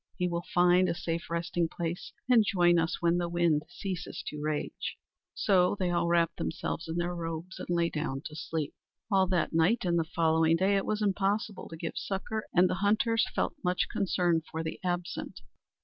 He will find a safe resting place, and join us when the wind ceases to rage." So they all wrapped themselves in their robes and lay down to sleep. All that night and the following day it was impossible to give succor, and the hunters felt much concern for the absent.